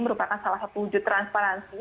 merupakan salah satu wujud transparansi